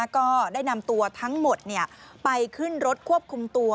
ก็ได้นำตัวทั้งหมดไปขึ้นรถควบคุมตัว